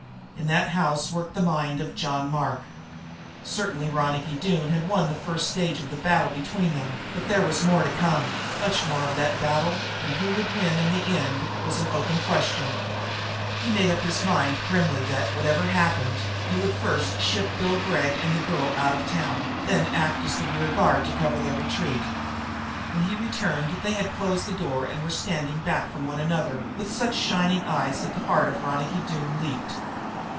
In that house worked the mind of John Mark. Certainly Ronicky Doone had won the first stage of the battle between them, but there was more to come much more of that battle and who would win in the end was an open question. He made up his mind grimly that, whatever happened, he would first ship Bill Gregg and the girl out of the city, then act as the rear guard to cover their retreat. When he returned they had closed the door and were standing back from one another, with such shining eyes that the heart of Ronicky Doone leaped.